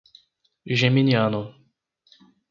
Geminiano